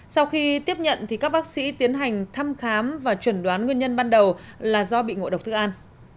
sau khi tiếp nhận các bác sĩ tiến hành thăm khám và chuẩn đoán nguyên nhân ban đầu là do bị ngộ độc thức ăn